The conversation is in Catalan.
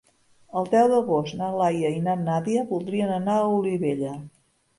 El deu d'agost na Laia i na Nàdia voldrien anar a Olivella.